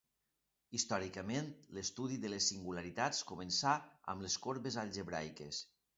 Històricament, l'estudi de les singularitats començà amb les corbes algebraiques.